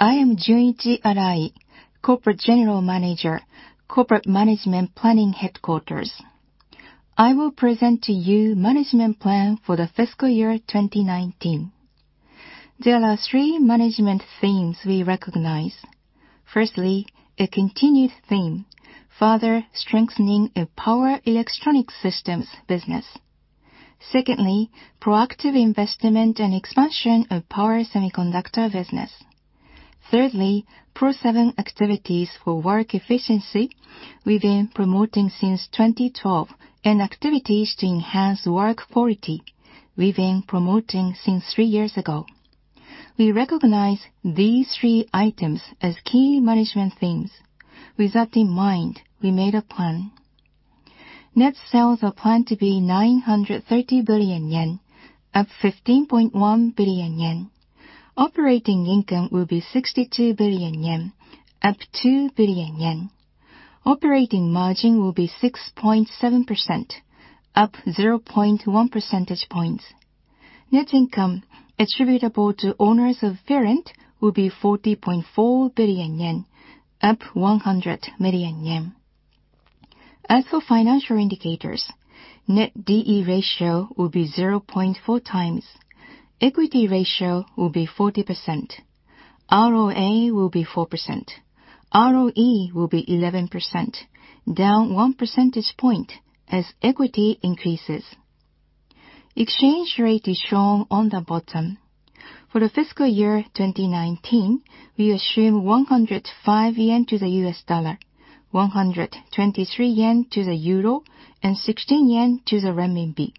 I am Junichi Arai, Corporate General Manager, Corporate Management Planning Headquarters. I will present to you management plan for the fiscal year 2019. There are three management themes we recognize. Firstly, a continued theme, further strengthening a power electronic systems business. Secondly, proactive investment and expansion of power semiconductor business. Thirdly, PRO7 activities for work efficiency we've been promoting since 2012, and activities to enhance work quality we've been promoting since three years ago. We recognize these three items as key management themes. With that in mind, we made a plan. Net sales are planned to be 930 billion yen, up 15.1 billion yen. Operating income will be 62 billion yen, up 2 billion yen. Operating margin will be 6.7%, up 0.1 percentage points. Net income attributable to owners of parent will be 14.4 billion yen, up 100 million yen. As for financial indicators, net D/E ratio will be 0.4 times. Equity ratio will be 40%. ROA will be 4%. ROE will be 11%, down one percentage point as equity increases. Exchange rate is shown on the bottom. For the fiscal year 2019, we assume 105 yen to the US dollar, 123 yen to the euro, and 16 yen to the renminbi.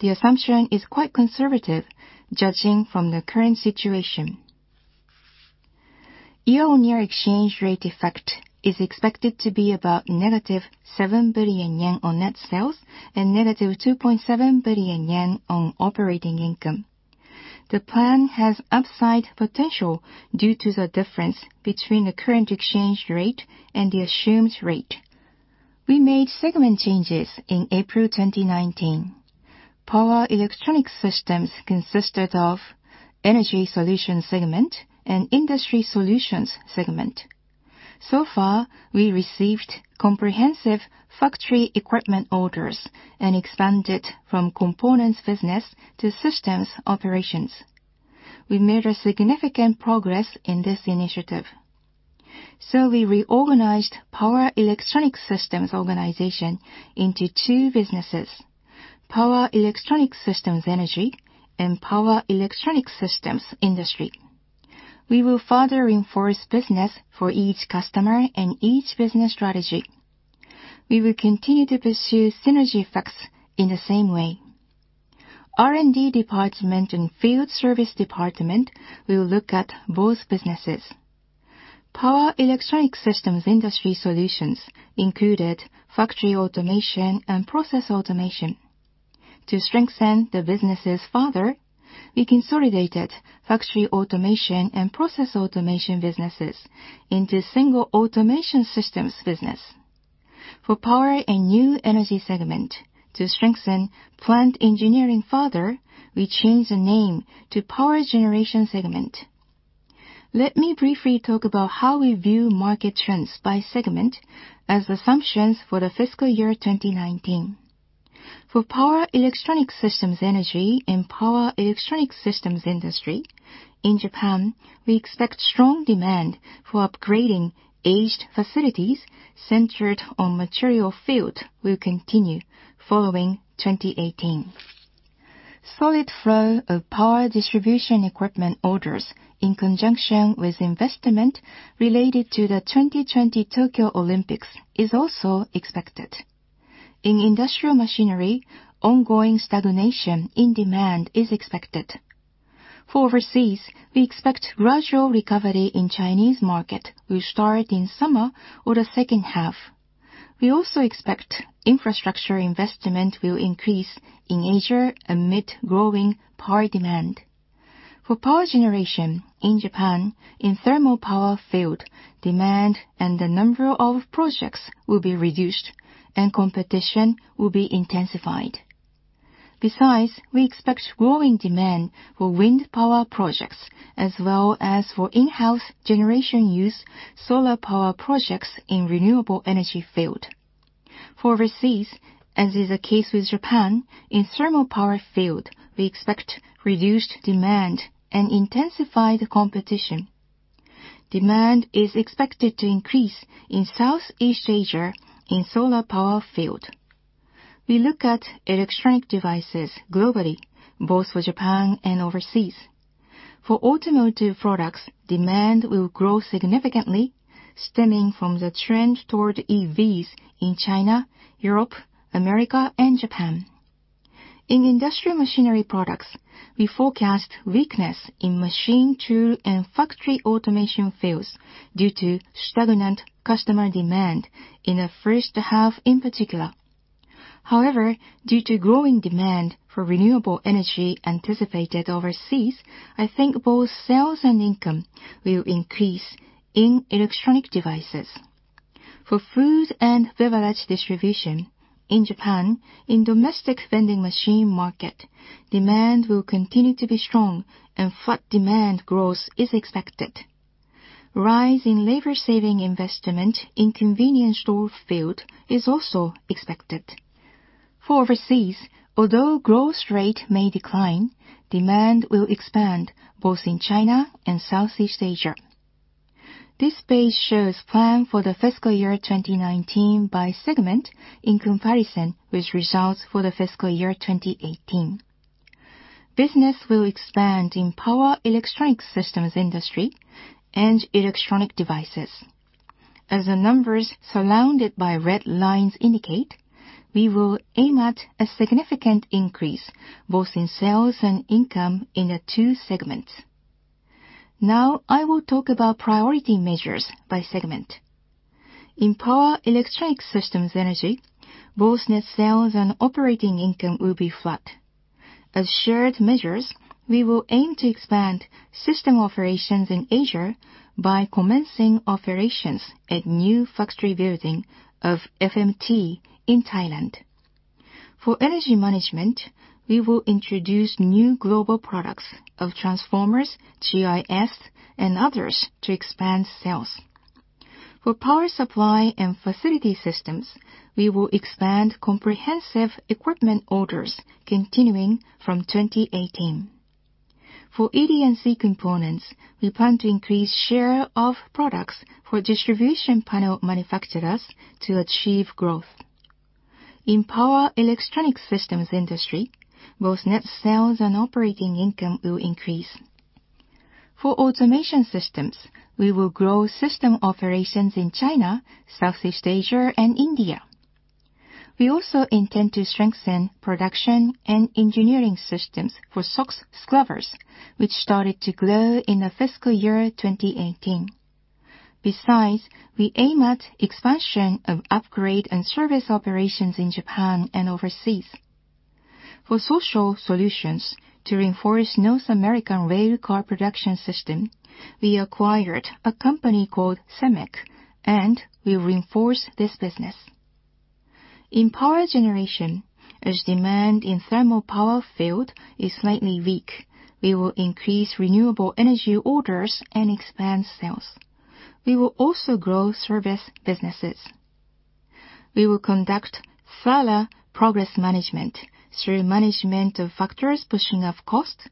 The assumption is quite conservative judging from the current situation. Year-on-year exchange rate effect is expected to be about negative 7 billion yen on net sales and negative 2.7 billion yen on operating income. The plan has upside potential due to the difference between the current exchange rate and the assumed rate. We made segment changes in April 2019. Power electronic systems consisted of Energy Solutions segment and Industry Solutions segment. So far, we received comprehensive factory equipment orders and expanded from components business to systems operations. We made a significant progress in this initiative. We reorganized power electronic systems organization into two businesses, Power Electronics Systems Energy and Power Electronics Systems Industry. We will further reinforce business for each customer and each business strategy. We will continue to pursue synergy effects in the same way. R&D department and field service department will look at both businesses. Power Electronics Systems Industry solutions included factory automation and process automation. To strengthen the businesses further, we consolidated factory automation and process automation businesses into single automation systems business. For power and new energy segment, to strengthen plant engineering further, we changed the name to Power Generation segment. Let me briefly talk about how we view market trends by segment as assumptions for the fiscal year 2019. For Power Electronics Systems Energy and Power Electronics Systems Industry in Japan, we expect strong demand for upgrading aged facilities centered on material field will continue following 2018. Solid flow of power distribution equipment orders in conjunction with investment related to the 2020 Tokyo Olympics is also expected. In industrial machinery, ongoing stagnation in demand is expected. For overseas, we expect gradual recovery in Chinese market will start in summer or the second half. We also expect infrastructure investment will increase in Asia amid growing power demand. For power generation in Japan, in thermal power field, demand and the number of projects will be reduced, and competition will be intensified. Besides, we expect growing demand for wind power projects as well as for in-house generation use solar power projects in renewable energy field. For overseas, as is the case with Japan, in thermal power field, we expect reduced demand and intensified competition. Demand is expected to increase in Southeast Asia, in solar power field. We look at electronic devices globally, both for Japan and overseas. For automotive products, demand will grow significantly, stemming from the trend toward EVs in China, Europe, America, and Japan. In industrial machinery products, we forecast weakness in machine tool and factory automation fields due to stagnant customer demand in the first half in particular. However, due to growing demand for renewable energy anticipated overseas, I think both sales and income will increase in electronic devices. For food and beverage distribution in Japan, in domestic vending machine market, demand will continue to be strong and flat demand growth is expected. Rise in labor-saving investment in convenience store field is also expected. For overseas, although growth rate may decline, demand will expand both in China and Southeast Asia. This page shows plan for the fiscal year 2019 by segment in comparison with results for the fiscal year 2018. Business will expand in Power Electronics Systems Industry and electronic devices. As the numbers surrounded by red lines indicate, we will aim at a significant increase both in sales and income in the two segments. Now I will talk about priority measures by segment. In Power Electronics Systems Energy, both net sales and operating income will be flat. As shared measures, we will aim to expand system operations in Asia by commencing operations at new factory building of FMT in Thailand. For energy management, we will introduce new global products of transformers, GIS, and others to expand sales. For power supply and facility systems, we will expand comprehensive equipment orders continuing from 2018. For ED&C components, we plan to increase share of products for distribution panel manufacturers to achieve growth. In Power Electronics Systems Industry, both net sales and operating income will increase. For automation systems, we will grow system operations in China, Southeast Asia, and India. We also intend to strengthen production and engineering systems for SOx scrubbers, which started to grow in the fiscal year 2018. Besides, we aim at expansion of upgrade and service operations in Japan and overseas. For social solutions, to reinforce North American rail car production system, we acquired a company called SEMEC and will reinforce this business. In Power Generation, as demand in thermal power field is slightly weak, we will increase renewable energy orders and expand sales. We will also grow service businesses. We will conduct thorough progress management through management of factors pushing up cost,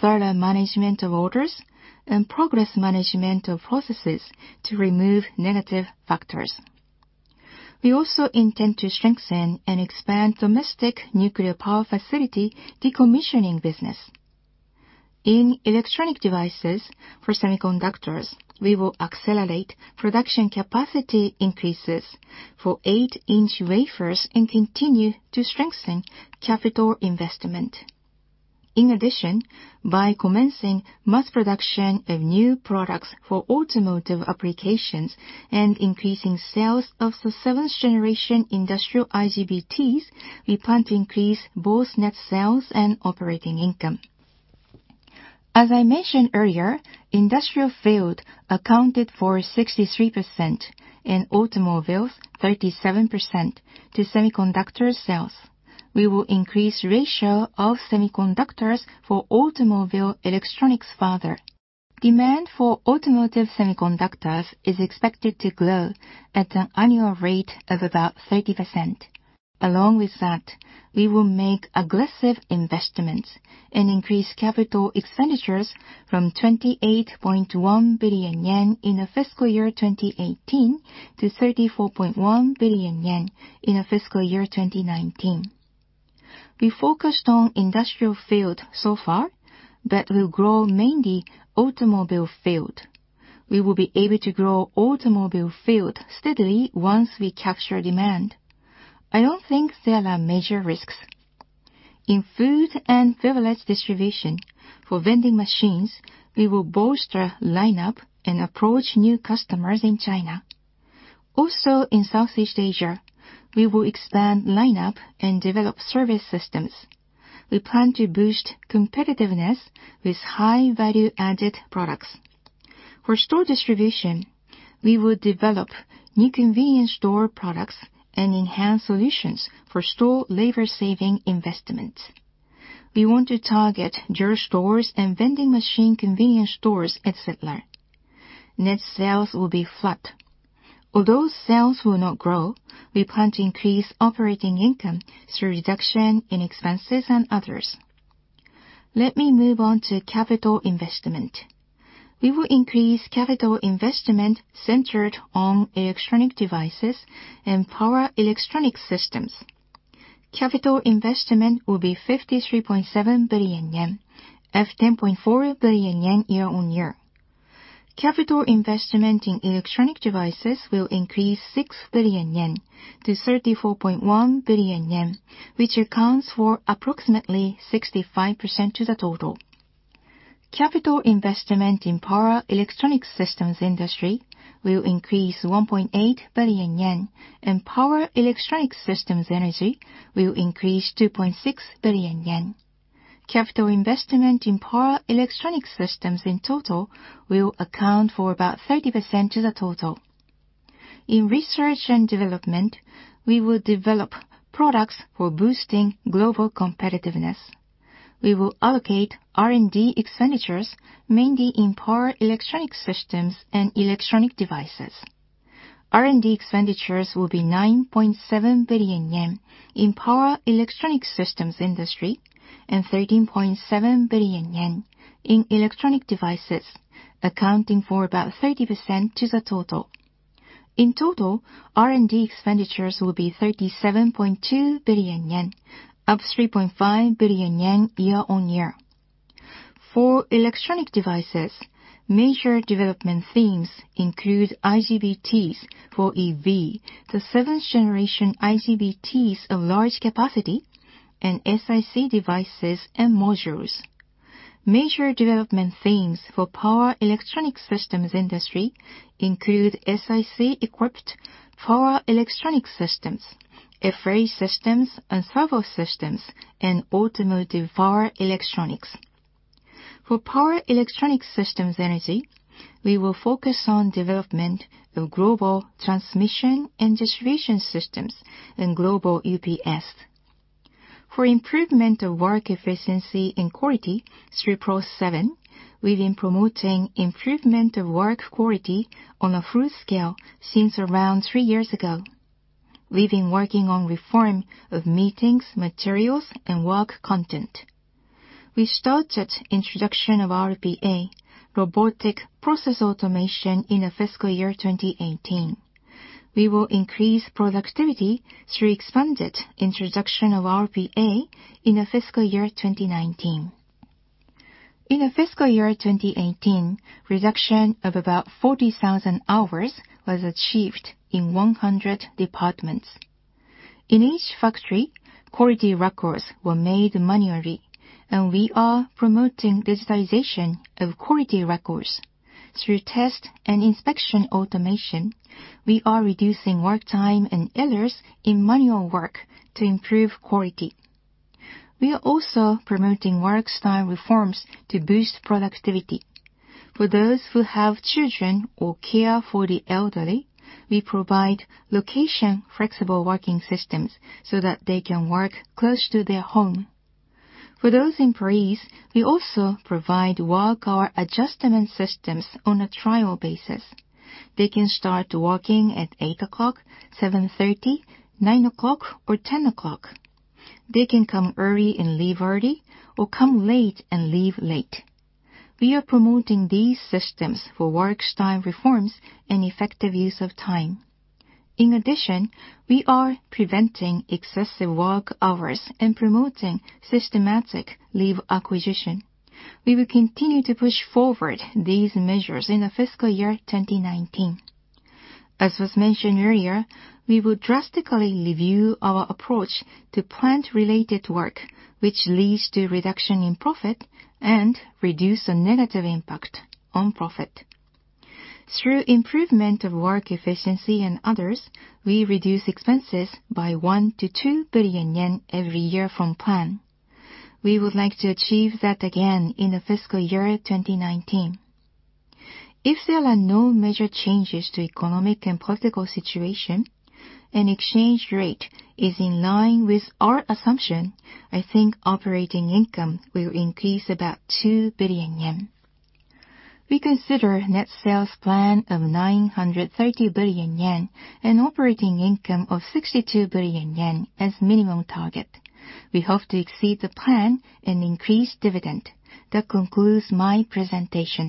thorough management of orders, and progress management of processes to remove negative factors. We also intend to strengthen and expand domestic nuclear power facility decommissioning business. In electronic devices for semiconductors, we will accelerate production capacity increases for eight-inch wafers and continue to strengthen capital investment. In addition, by commencing mass production of new products for automotive applications and increasing sales of the seventh-generation industrial IGBTs, we plan to increase both net sales and operating income. As I mentioned earlier, industrial field accounted for 63% and automobiles 37% to semiconductor sales. We will increase ratio of semiconductors for automobile electronics further. Demand for automotive semiconductors is expected to grow at an annual rate of about 30%. Along with that, we will make aggressive investments and increase capital expenditures from 28.1 billion yen in the fiscal year 2018 to 34.1 billion yen in the fiscal year 2019. We focused on industrial field so far, but will grow mainly automobile field. We will be able to grow automobile field steadily once we capture demand. I don't think there are major risks. In food and beverage distribution for vending machines, we will bolster lineup and approach new customers in China. Also, in Southeast Asia, we will expand lineup and develop service systems. We plan to boost competitiveness with high value-added products. For store distribution, we will develop new convenience store products and enhance solutions for store labor-saving investments. We want to target drugstores and vending machine convenience stores, et cetera. Net sales will be flat. Although sales will not grow, we plan to increase operating income through reduction in expenses and others. Let me move on to capital investment. We will increase capital investment centered on electronic devices and power electronic systems. Capital investment will be 53.7 billion yen, up 10.4 billion yen year-on-year. Capital investment in electronic devices will increase 6 billion yen to 34.1 billion yen, which accounts for approximately 65% to the total. Capital investment in Power Electronics Systems Industry will increase 1.8 billion yen, and Power Electronics Systems Energy will increase 2.6 billion yen. Capital investment in power electronic systems in total will account for about 30% of the total. In research and development, we will develop products for boosting global competitiveness. We will allocate R&D expenditures mainly in power electronic systems and electronic devices. R&D expenditures will be 9.7 billion yen in Power Electronics Systems Industry and 13.7 billion yen in electronic devices, accounting for about 30% to the total. In total, R&D expenditures will be 37.2 billion yen, up 3.5 billion yen year-on-year. For electronic devices, major development themes include IGBTs for EV, the seventh generation IGBTs of large capacity, and SiC devices and modules. Major development themes for Power Electronics Systems Industry include SiC equipped power electronic systems, array systems and servo systems, and automotive power electronics. For Power Electronics Systems Energy, we will focus on development of global transmission and distribution systems and global UPS. For improvement of work efficiency and quality through PRO7, we've been promoting improvement of work quality on a full scale since around 3 years ago. We've been working on reform of meetings, materials, and work content. We started introduction of RPA, Robotic Process Automation, in the FY 2018. We will increase productivity through expanded introduction of RPA in the FY 2019. In the FY 2018, reduction of about 40,000 hours was achieved in 100 departments. In each factory, quality records were made manually, and we are promoting digitalization of quality records. Through test and inspection automation, we are reducing work time and errors in manual work to improve quality. We are also promoting work style reforms to boost productivity. For those who have children or care for the elderly, we provide location flexible working systems so that they can work close to their home. For those employees, we also provide work hour adjustment systems on a trial basis. They can start working at 8:00 A.M., 7:30 A.M., 9:00 A.M., or 10:00 A.M. They can come early and leave early or come late and leave late. We are promoting these systems for work style reforms and effective use of time. We are preventing excessive work hours and promoting systematic leave acquisition. We will continue to push forward these measures in the FY 2019. As was mentioned earlier, we will drastically review our approach to plant-related work, which leads to reduction in profit and reduce the negative impact on profit. Through improvement of work efficiency and others, we reduce expenses by 1 billion-2 billion yen every year from plan. We would like to achieve that again in the fiscal year 2019. If there are no major changes to economic and political situation, and exchange rate is in line with our assumption, I think operating income will increase about 2 billion yen. We consider net sales plan of 930 billion yen, an operating income of 62 billion yen as minimum target. We hope to exceed the plan and increase dividend. That concludes my presentation.